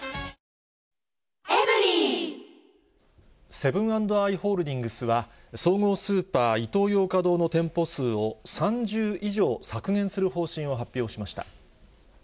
セブン＆アイ・ホールディングスは、総合スーパー、イトーヨーカドーの店舗数を３０以上削減する方針を発表しました。